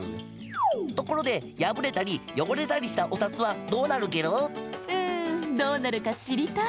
ところでやぶれたりよごれたりしたお札はどうなるゲロ？んどうなるかしりたい？